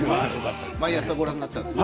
毎朝ご覧になっていたんですか？